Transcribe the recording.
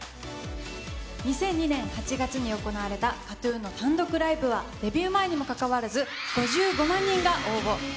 ２００２年８月に行われたＫＡＴーＴＵＮの単独ライブは、デビュー前にもかかわらず、５５万人が応募。